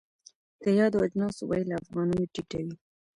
د یادو اجناسو بیه له افغانیو ټیټه وي.